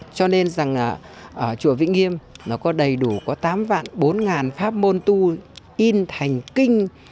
cho nên rằng ở chùa vĩnh nghiêm nó có đầy đủ có tám bốn trăm linh pháp môn tu in thành kinh